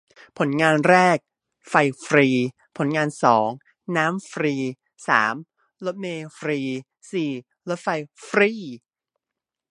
ผลงานแรก ไฟฟรี ผลงานสอง น้ำฟรี สาม รถเมล์ฟรี สี่ รถไฟฟรี